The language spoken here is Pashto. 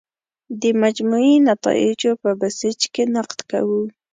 د مجموعي نتایجو په بیسج کې نقد کوو.